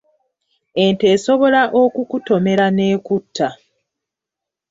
Ente esobola okukutomera n’ekutta.